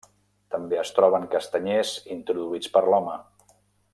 També es troben castanyers introduïts per l'home.